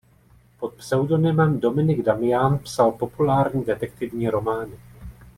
Pod pseudonymem Dominik Damian psal populární detektivní romány.